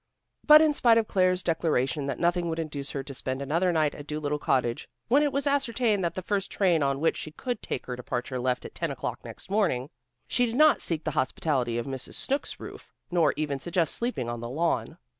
But in spite of Claire's declaration that nothing would induce her to spend another night at Dolittle Cottage, when it was ascertained that the first train on which she could take her departure left at ten o'clock next morning, she did not seek the hospitality of Mrs. Snooks' roof, nor even suggest sleeping on the lawn.